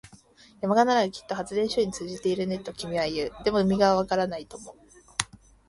山側ならきっと発電所に通じているね、と君は言う。でも、海側はわからないとも。